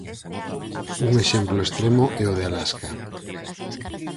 Un exemplo extremo é o de Alasca.